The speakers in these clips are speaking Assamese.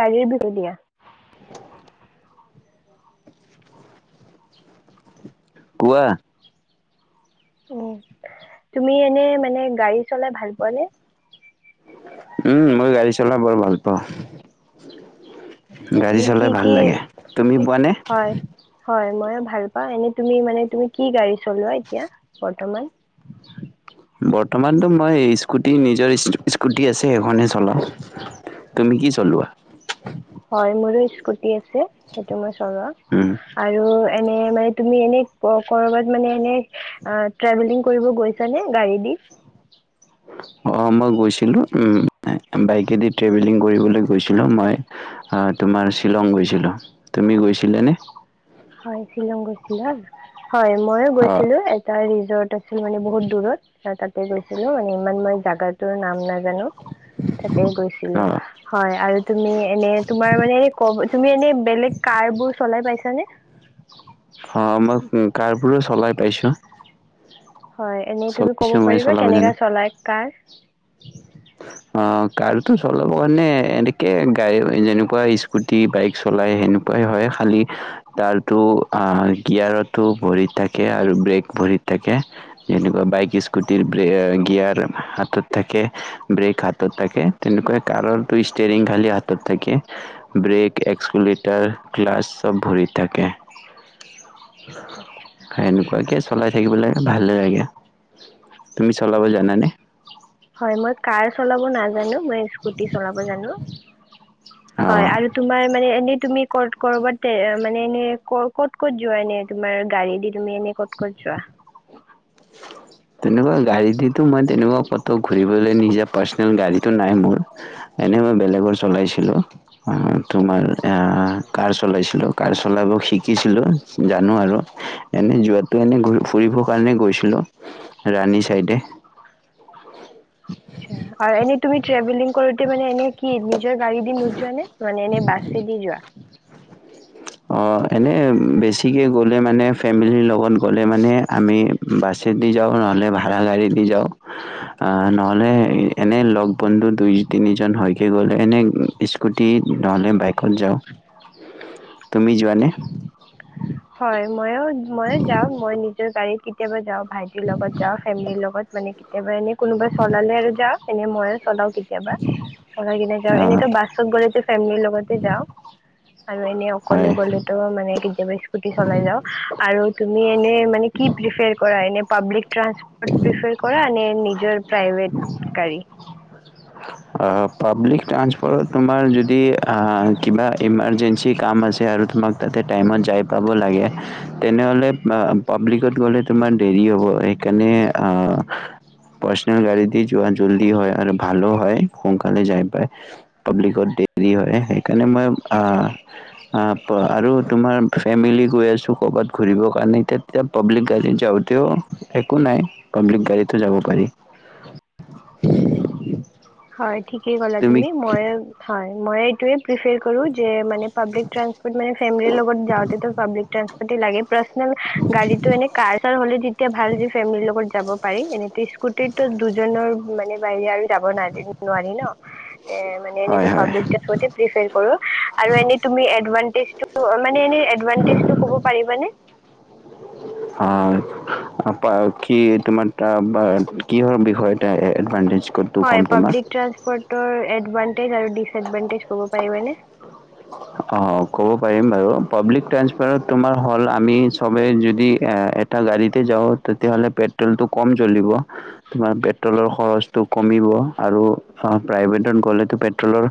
তাৰে দুপৰীয়া ় [unintelligible] কোৱা উ তুমি এনে মানে গাড়ী চলাই ভাল পোৱা নে উম মই গাড়ী চলাই বৰ ভাল পাওঁ আচ্ছা গাড়ী তুমি কি চলাই ভাল কি লাগে তুমি পোৱানে হয় হয় ময়ো ভাল পা এনে তুমি মানে তুমি কি গাড়ী চলোৱা এতিয়া বৰ্তমান বৰ্তমানতো মই স্কুটি নিজৰ স্কুটি আছে সেইখননেহে চলাওঁ তুমি কি চলোৱা ইস্কতিআছে সেইটো মই চলাও উম আৰু এনে মানে তুমি এনে কৰবাত মানে ট্ৰেভেলিং কৰিব গৈছা নে গাড়ী দি। অ মই গৈছিলোঁ বাইকেদি ট্ৰেভেলিং কৰিবলৈ গৈছিলোঁ মই তোমাৰ শ্বিলং গৈছিলোঁ তুমি গৈছিলানে। হয় শ্বিলং গৈছিলা হয় মইয়ো অ গৈছিলো এটা ৰিজৰ্ট আছিল মানে বহুত দূৰত তাত গৈছিলো মানে ইমান মই জাগাটোৰ নাম না জানো তাতে গৈছিলো অ হয় আৰু তুমি এনে তোমাৰ মানে তুমি এনে বেলেগ কাৰ বোৰ চলাই পাইছানে। অ মই কাৰবোৰো চলাই পাইছো। হয় এনেই তুমি কব পাৰিবা কেনেকা জানো চলাই কাৰ। অ', কাৰটো চলাবৰ কাৰণে এনেকে গাড়ী যেনেকুৱা স্কুটি বাইক চলাই সেনেকুৱাই হয় খালী তাৰতো গিয়াৰতো ভৰিত থাকে আৰু ব্ৰেক ভৰিত থাকে। যেনেকুৱা বাইক স্কুটিৰে গিয়াৰ হাতত থাকে ব্ৰেক হাতত থাকে তেনেকুৱা কাৰৰটো ষ্টেৰিং খালি হাতত থাকে ব্ৰেক এক্সকুলেটাৰ গ্লাছ চব ভৰিত থাকে। আচ্ছা, সেনেকুৱাকে চলাই থাকিব লাগে। ভালে লাগে তুমি চলাব জানা নে? হয় মই কাৰ চলাব নাজানো মই স্কুটি চলাব জানো হয় অ'। আৰু তোমাৰ মানে এনে তুমি ক'ত কৰ'বাতে মানে এনে ক ক'ত ক'ত যোৱা এনে তোমাৰ গাড়ী দি তুমি এনে ক'ত ক'ত যোৱা তেনেকুৱা গাড়ী দি টো মই তেনেকুৱা কতো ঘূৰিবলৈ নিজা পাৰ্চনেল গাড়ীটো নাই মোৰ এনেই মই বেলেগৰ চলাইছিলোঁ। তোমাৰ অ আচ্ছা কাৰ চলাইছিলো কাৰ চলাব শিকিছিলো জানো আৰু এনে যোৱাতো এনে ফুৰিব কাৰণে গৈছোঁ। হেল্ল ৰাণী চাইডে [unintelligible] আচ্ছা হয় আৰু এনে তুমি ট্ৰেভেলিং কৰোতে মানে এনে কি নিজৰ গাড়ী দি নোযোৱা নে মানে এনে বাছে দি যোৱা। এনেই বেছিকে গ'লে মানে ফেমিলিৰ লগত গ'লে মানে আমি বাছেদি যাওঁ নহ'লে ভাড়া গাড়ীদি যাওঁ নহ'লে এনেই লগ বন্ধু দুই তিনিজন হয়কৈ গ'লে এনে স্কুটি নহ'লে বাইকত যাওঁ। তুমি যোৱা নে হয় ময়ো ময়ো যাওঁ মই নিজৰ গাড়ীত কেতিয়াবা যাওঁ ভাইটিৰ লগত যাওঁ ফেমিলিৰ লগত মানে কেতিয়াবা এনে কোনোবা চলালে আৰু যাওঁ এনে মই আ চলাও কেতিয়াবা চলাই কিনে যাও অ', এনেতো বাছত গ'লেতো ফেমিলিৰ লগত যাও আৰু এনে অকলে হয়। গ'লেতো মানে কেতিয়াবা স্কুটি চলাই যাওঁ আৰু তুমি এনে মানে কি প্ৰিফেয়াৰ কৰা এনে পাব্লিক ট্ৰেঞ্চ প্ৰিফেয়াৰ কৰা নে নিজৰ প্ৰাইভেট গাড়ী । অ', পাব্লিক ট্ৰাসপৰ্টত তোমাৰ যদি কিবা ইমাৰজেঞ্চি কাম আছে আৰু তোমাক তাতে টাইমত যাই পাব লাগে তেনেহ'লে পাব্লিকত গ'লে তোমাৰ দেৰি হ'ব সেইকাৰণে পাৰ্চনেল গাড়ী দি যোৱা জল্দি হয় আৰু ভালো হয়। সোনকালে যায় পাই পাব্লিকত দেৰি হয় সেইকাৰণে মই আৰু তোমাৰ ফেমিলি গৈ আছো কবাত ঘুৰিব কাৰণে তেতিয়া পাব্লিক গাড়ীত যাওঁতেও একো নাই পাব্লিক গাড়ীতো যাব পাৰি। হয় ঠিকেই কলা তুমি মই হয়। মই এইটোৱে প্ৰিফাৰ কৰো যে মানে পাবলিক ট্ৰেনচপৰ্ত মানে ফেমিলিৰ লগত যাওঁতেটো পাবলিক ট্ৰাণপৰ্ট লাগে। পাৰ্চনেল গাড়ীত টো এনে কাৰ চাৰ হলে যেতিয়া ভাল যে ফেমিলিৰ লগত যাব পাৰি এনে স্কুটিত দুজনৰ মানে বাহি আৰু যাব নাই এইবোৰ নোৱাৰি ন মানে হয় হয় পাব্লিক ট্ৰানসপৰ্টতে ইটো পিফিয়াৰ কৰো আৰু তুমি এনেই এদ এু [unintelligible] মানে এনে এডভানটেজটো ক'ব পাৰিবানে? আহ, আপা- কি তোমাৰ কিহৰ বিষয় এটা এডভানটেজ ক'তটো হয় ক'ম তোমাক পাব্লিক ট্ৰেস্পৰ্ত এডভান এডভাণ্টেজ কৰিব পাৰিবা নে অ ক'ব পাৰিম বাৰু পাব্লিক ট্ৰানসপৰ্টত তোমাৰ হ'ল আমি চবেই যদি এটা গাড়ীতে যাওঁ তেতিয়াহ'লে পেট্ৰলটো কম জলিব তোমাৰ পেট্ৰলৰ খৰচটো কমিব আৰু প্ৰাইভেটত গ'লেতো পেট্ৰলৰ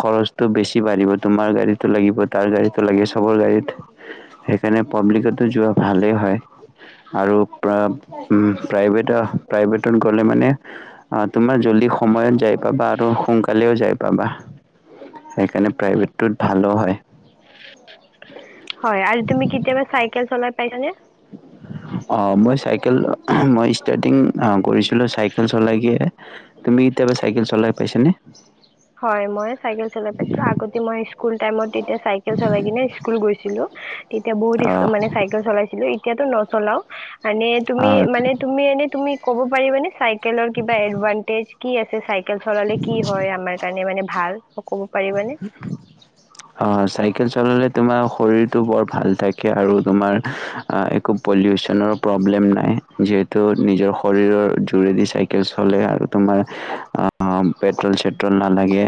খৰচটো বেছি। ঢ দিব তোমাৰ গাড়ীটো লাগিব তাৰ গাড়ীটো লাগে চবৰ গাড়ীত সেইকাৰণে পাব্লিকতো যোৱা ভালেই হয় আৰু প্ৰিভেট প্ৰাইভেটত গ'লে মানে তোমাৰ জলদি সময়ত যাই পাবা আৰু সোনকালেও যাই পাবা। সেইকাৰণে প্ৰাইভেটটোত ভালো হয়। হয় আৰু তুমি কেতিয়াবা চাইেকেল চলাই পাইছা নে? অ মই চাইকেল মই ষ্টাৰ্টিং কৰিছিলোঁ চাইকেল চলাইে তুমি কেতিয়াবা চাইকেল চলাই পাইছনে। হয় মই চাইকেল চলাই। ছিলো আগতে মই স্কুল টাইমত। এতিয়া চাইকেল চলাই কিনে স্কুল গৈছিলো। তেতিয়া বহুত মানে পাইছানে চাইকেল চলাইছিলো। এতিয়াতো নচলাও মানে তুমি মানে তুমি এনেই তুমি। ক'ব পাৰিবানে চাই কিবা এডভানটেজ কি আছে চাই চাইেকেল চলালে কি হয় আমাৰ। ভাল ক'ব পাৰিবানে অ, চাইকেল চলালে তোমাৰ শৰীৰ- টো বৰ ভাল থাকে আৰু তোমাৰ একো পলিউচন প্ৰব্লেম নাই, যিহেতু শৰীৰৰ যোৰে দি চাইকেল চলাই আৰু তোমাৰ আহ, পেট্ৰল সেট্ৰল নালাগে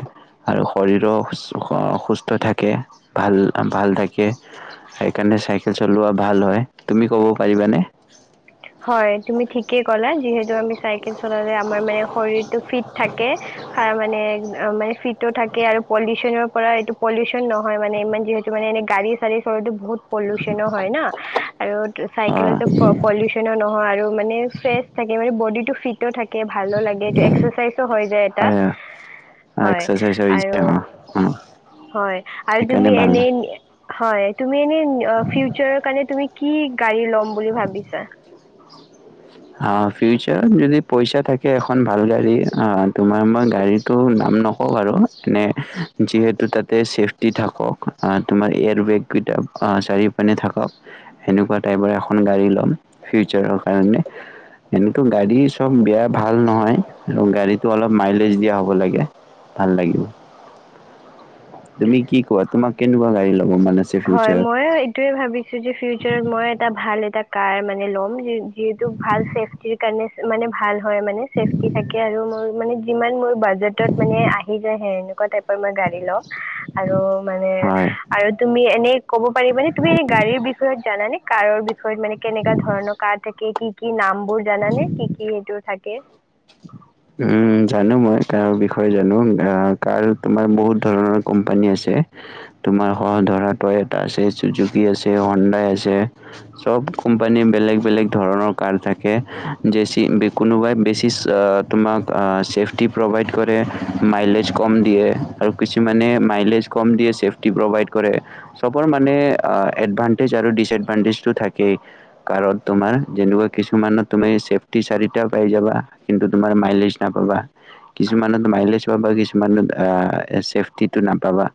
আৰু - শৰীৰো সুস্থ থাকে, ভাল, ভাল থাকে সেইকাৰণে চাইকেল চলোৱা ভাল হয় তুমি ক'ব পাৰিবানে? হয় তুমি ঠিকেই কলা যিহেতু- আমি চাইকেল চলালে আমাৰ মানে শৰীৰটো ফিট থাকে তাৰ মানে ফি- থাকে আৰু পলিউচনৰ পৰা এইটো পলিউচন নহয় মানে ইমান যিহেতু মানে এনে গাড়ী চাডী চলো বহুত- পলিউচন হয় ন আৰু অ চাইকেলেৰ পৰা পলিউচন নহয় আৰু মানে ফ্ৰেছ থাকে ম- বডিটো ফিট- টো থাকে ভালো লাগে যে এক্সোৰচাইজ হৈ যায় এটা, হয় হয় এক্সাৰচাইজ হৈ আৰু, যায় অ অ হয় আৰু সেইকাৰণে তুমি ভাল হয় এনেই হয় তুমি এনেই তুমি ফিউচাৰৰ কাৰণে তুমি - কি? গাড়ী ল'ম বুলি ভাবিছা? ফিউচাৰত যদি পইচা থাকে এখন ভাল গাড়ী, তোমাৰ মই গাড়ীটো নাম নকওঁ বাৰু এনে যিহেতু তাতে ছেফটি থাকক তোমাৰ এয়াৰ বেগকেইটা চাৰিওপানে থাকক, সেনেকুৱা টাইপৰ এখন গাড়ী ল'ম, ফিউচাৰৰ কাৰণে- এনে গাড়ী চব বেয়া ভাল নহয় আৰু গাড়ীতটো অলপ মাইলেজ দিয়া হব লাগে, ভাল লাগিব। তুমি- কি কোৱা তোমাক কেনেকুৱা গাড়ী ল'ব মন আছে হয়, ফিউচাৰত মই এইটোৱে ভাবিছো যে ফিউচাৰত মই এটা ভাল এটা- কাৰ মানে ল'ম যিহেতু ভাল চেফটিৰ কাৰণে মানে ভাল হয় মানে চেফটি থাকে আৰু মোৰ মানে যিমান মোৰ- বাজেটত মানে আহি যায় হে এন- টাইপৰ মই গ- ৰি লম, আৰু - মানে হয় আৰু তুমি এনেই কব পাৰিবানে তুমি এনে গাড়ীৰ বিষয়ত জানানে? কাৰৰ বি - বিষয়ত মানে কেনেকা ধৰণৰ কাৰ থাকে কি- কি নাম? বোৰ জানানে কি কি সেটো থাকে । কে। উম, জানো মই কাৰ বিষয়ে জানো, আহ কাৰ তোমাৰ বহুত ধৰণৰ কোম্পানী আছে তোমাৰ সহ ধৰা এটা আছে চুজুকি আছে, হন্দাই আছে চ, ব কোম্পানী বেলেগ বেলেগ ধৰণৰ কাৰ থাকে বে কোনোবাই বেছি- তোমাক ছেফটি প্ৰভাইড কৰে, মাইলেজ কম দিয়ে আৰু কিছুমানে মাইলেজ কম দিয়ে, চেফটি প্ৰভাইড কৰে ।চবৰ মানে এডভানটেজ আৰু ডিচএডভানটেজটো থাকেই কাৰণ তোমাৰ যেনেকুৱা কিছুমানত তুমি চেফটি চাৰিটা পাই যাবা- কিন্তু তোমাৰ মাইলেজ নাপাবা কিছুমানত মাইলেজ পাবা, কিছুমানত আহ ছেফটিটো নাপাবা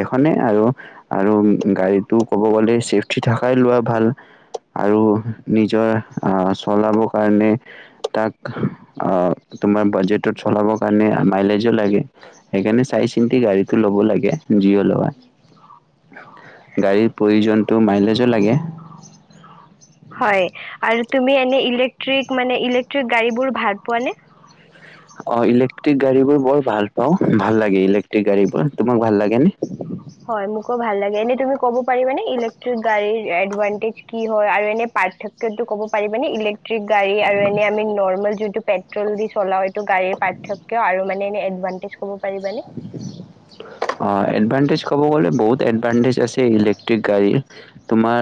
এইখনেই আৰু আৰু গাড়ীটো ক'ব গ'লে ছেফটি থকাই লোৱা ভাল আৰু নিজৰ চলাব কাৰণে তাক- আহ তোমাৰ বাজেত চলাবৰ কাৰণে মাইলেজো লাগে, সেইকাৰণে চাই চিন্তি গাড়ীটো লব লাগে । জীয় লোৱা, গাড়ীৰ প্ৰয়োজন মাইলেজো লাগে। হয় আৰু তুমি এনে ইলেকট্ৰিক মান ইলেকট্ৰিক গাড়ীবোৰ ভাল পোৱা নে? অ ইলে- ট্ৰিক গাড়ীবোৰ বৰ ভাল পাওঁ। ভাল লাগে ইলেক্ট্ৰিক গাড়ী বোৰ, তোমাক ভাল লাগে নে? হয়, মোকো ভাল লাগে। এনে তুমি কব- পাৰিবা মানে ইলেকট্ৰিক গাডীৰ এডভাটেজ জ কি হয় আৰু এনে পাৰ্থক্যতো ক'ব পাৰিবানে। কি গাড়ী আৰু এনে আমি নৰ্মেল যোনটো পেট্ৰল দি চলাও এইটো গাড়ীৰ পাৰ্থক্য আৰু মানে এনে এডভানটেজ সমূহ অ এডভানটেজ ক'ব গ'লে বহুত এডভানটেজ আছে ইলেক্ট্ৰিক গাড়ীৰ তোমাৰ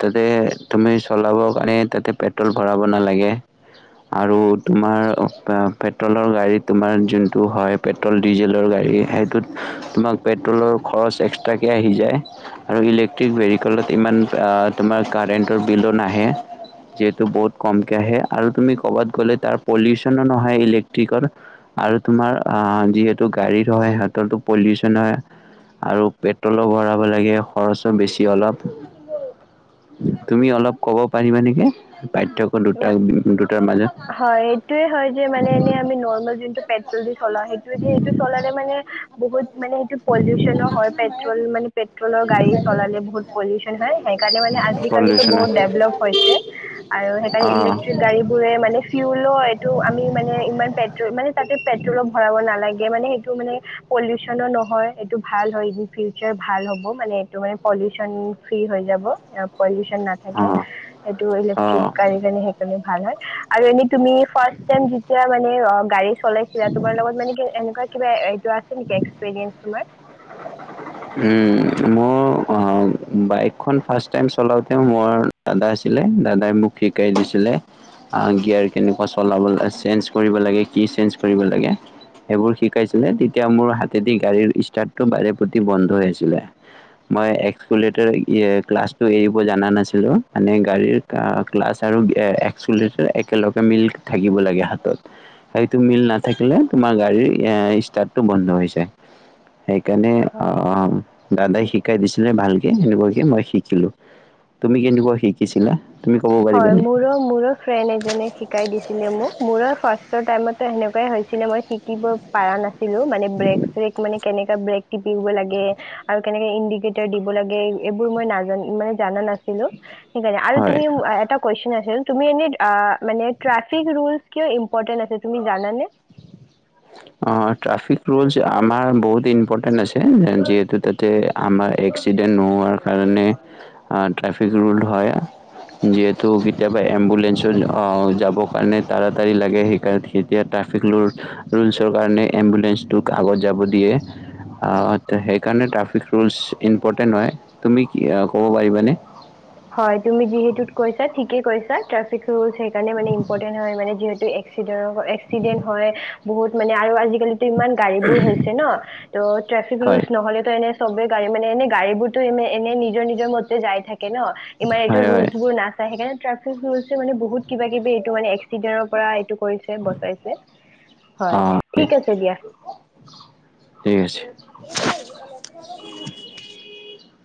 তাতে তুমি চলাব কাৰণে তাতে পেট্ৰল ভৰাব নালাগে আৰু তোমাৰ পেট্ৰলৰ গাড়ী তোমাৰ যোনটো হয় পেট্ৰল ডিজেলৰ গাড়ী সেইটোত তোমাক পেট্ৰলৰ খৰচ এক্সট্ৰাকৈ আহি যায় আৰু ইলেক্ট্ৰিক ভেহিকেলত ইমান তোমাৰ কাৰেণ্টৰ বিলো নাহে যিহেতু বহুত কমকৈ আহে আৰু তুমি ক'ৰবাত গ'লে তাৰ পলিউশনো নহয় ইলেক্ট্ৰিকৰ আৰু তোমাৰ যিত গাড়ীত হয় সিহঁতৰো পলিউচন হয় আৰু পেট্ৰলো ভৰাব লাগে খৰচো বেছি অলপ তুমি অলপ ক'ব পাৰিবা নেকি পাৰ্থয়ক্য দুটা দুটাৰ মাজত হয় এইটো হয় যে মানে এনে আমি ৰ্নৰমেল যোনটো পেট্ৰল দি চলাউ সেইটো দি চলালে মানে বহুত মানে সেইটো পলিউচনো হয় পেট্ৰল মানে পেট্ৰলৰ গাড়ী চলালে বহুত পলিউচন হয় সেইকাৰণে মানে আজিকালিটো পলিউচনৰ বহুত ডেভলপ হৈছে আৰু সেইকাৰণে অ ইলেক্ট্ৰিক গাড়ী বোৰে মানে হয় এইটো আমি মানে ইমান পেট্ৰল মানে তাতে পেট্ৰলো ভৰাব নালাগে মানে সেইটো মানে পলিউচনো নহয় এইটো ভাল হয়। ইন দি ফিউচাৰ ভাল হব মানে এইটো মানে পলিউচন ফ্ৰী হৈ যাব। এ পলিউচ অ নাথাকে সেইটো অ ইলেক্ট্ৰিক গাড়ী কাৰণে সেইকাৰণে ভাল হয়। আৰু এনে তুমি ফাৰ্ষ্ট টাইম যেতিয়া মানে অ গাড়ী চলাইছিলা তোমাৰ লগত মানে কি এনেকুৱা কিবা এই কোৱা চোন এক্সপিৰিয়েঞ্চ তোমাৰ? উম। মোৰ অ বাইকখন ফাৰ্ষ্ট টাইম চলাওঁতে মোৰ দাদা আছিলে দাদাই মোক শিকাই দিছিলে। গিয়াৰ কেনেকুৱা চলাব ল - চেঞ্জ কৰিব লাগে, কি চেঞ্জ কৰিব লাগে সেইবোৰ শিকাইছিলে তেতিয়া মোৰ হাতেদি গাড়ীৰ ষ্টাৰ্টটো বাৰে পতি বন্ধ আ মই এক্সট ক্লাছটো এৰিব জনা নাছিলো মানে গাড়ীৰ ক্লাছ আৰু একট একেলগে মিল থাকিব লাগে হাতত সেইটো মিল নাথাকিলে তোমাৰ গাড়ীৰ ষ্টাৰটো বন্ধ হৈ যায় সেই অ হয়। দাদাই শিকাই শিকাই দিছিলে ভালকে সেনেকুৱাকে মই শিকিলো। তুমি কেনেকুৱা শিকিছিলা? তুমি ক'ব হয়। পাৰিবানে? মুৰো - মুৰো ফ্ৰেণ্ড এজনে শিকাই দিছিলে মোক মোৰো ফাৰ্ষ্ট টৰ টাইমতো সেনেকুৱাই হৈছিলে মই শিকিব পাৰা নাছিল ছিলো মানে ব্ৰেক চেক মানে কেনে অ ব্ৰেক টিপিব লাগে আৰু কেনেকে ইণ্ডিকেটৰ দিব লাগে, এইবোৰ মই নাজা মানে জানা নাছি ছিলো। সেইকাৰণে আৰু হয় তুমি কুইছন আছিল। তুমি এনেই আ মানে ট্ৰাফিক ৰুলছ্‌ কিয় ইম্পৰ্টেণ্ট আছে তুমি জানে নে? অ ট্ৰাফিক ৰুলুছ্‌ আমাৰ বহুত ইম্প টেন আছে যিহেতু তাতে আমাৰ এক্সিডেণ্ট নোহোৱাৰ কাৰণে অ ট্ৰাফিক ট্ৰাফিক ৰুলদ হয়। যিহেতু কেতিয়াবা এম্বুলেঞ্চৰ অ যাব কাৰণে তাৰাতাৰি লাগে সেইকাৰণ তেতিয়া ট্ৰাফিক ৰুল ৰুলচৰ কাৰণে এম্বুলেঞ্চটোক আগত যাব দিয়ে। অ সেইকাৰণে ট্ৰাফিক ৰুলচ ইম্পৰ্টেণ্ট হয়। তুমি কি ক'ব পাৰিবানে? হয়। তুমি যিহেতুত কৈছা ঠিক কে কৈছা ট্ৰাফিক ৰুলছ্‌ এইকাৰণে মানে ইম্পৰটেন্ট হয় মানে যিহেত এ [unintelligible] এক্সিডেণ্ট হয়। বহুত মানে আৰু আজিকালি [unintelligible] ইমান গাড়ী বোৰ হৈছে ন। তো ট্ৰাফিক হয় ৰুলচ নহলেতো এনে চবে গাড়ী মানে এনে গাড়ী বোৰতো এনে - এনে নিজৰ নিজৰ মতে যাই থাকে ন। ইমান এইটো হয় হয় ৰুলচ বোৰ নাচাই সেইকাৰণে ট্ৰাফিক ৰুলছে মান বহুত কিবা কিবি এইটো মানে এক্স চিদেনৰ পৰা এইটো কৰিছে। বচাইছে। অ হয়। ঠিক আছে দিয়া। ঠিক [inaudible]